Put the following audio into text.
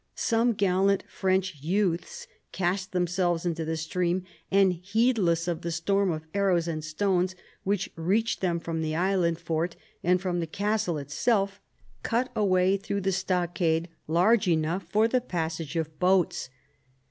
Some gallant French youths cast themselves into the stream and, heedless of the storm of arrows and stones which reached them from the island fort and from the castle itself, cut a way through the stockade large enough for the passage of boats.